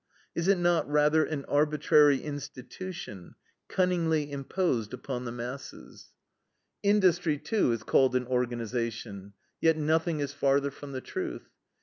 Is it not rather an arbitrary institution, cunningly imposed upon the masses? "Industry, too, is called an organization; yet nothing is farther from the truth.